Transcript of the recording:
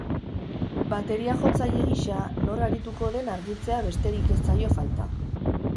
Bateria-jotzaile gisa nor arituko den argitzea besterik ez zaio falta.